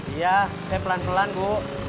iya saya pelan pelan bu